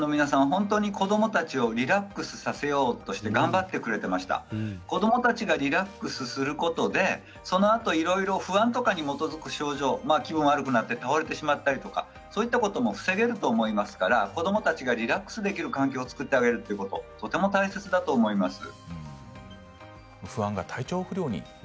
本当に子どもたちをリラックスさせようとして頑張ってくれていましたが子どもたちがリラックスすることでその後いろいろ不安とかに基づく症状、気分が悪くなって倒れてしまったり、そういうことも防げると思いますから子どもたちがリラックスできる環境を作ってあげることとても大切だと思います。